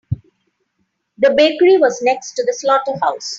The bakery was next to the slaughterhouse.